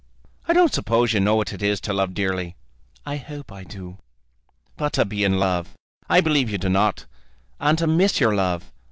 "I don't suppose you know what it is to love dearly." "I hope I do." "But to be in love! I believe you do not. And to miss your love!